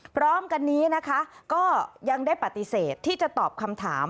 พร้อมกันนี้นะคะก็ยังได้ปฏิเสธที่จะตอบคำถาม